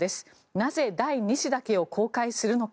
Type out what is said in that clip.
なぜ、第２子だけを公開するのか。